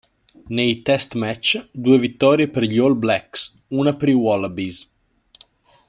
Nei Test Match, due vittorie per gli All Blacks, una per i “Wallabies”